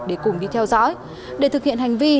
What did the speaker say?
để cùng đi theo dõi để thực hiện hành vi